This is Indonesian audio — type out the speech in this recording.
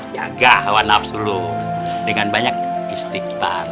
jaga hawan nafsu lo dengan banyak istighfar